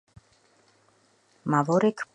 მა ვორექ მუთ ვორექ